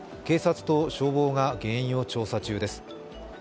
警察と消防が原因を調査中です。